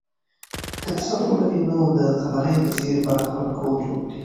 که ته صبر ولرې نو د قمرۍ په څېر به خپل کور جوړ کړې.